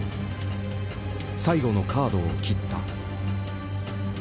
最後のカードを切った。